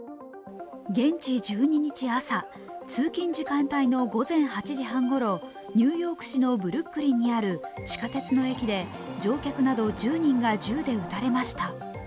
現地１２日朝、通勤時間帯の午前８時半ごろニューヨーク市のブルックリンにある地下鉄の駅で乗客など１０人が銃で撃たれました。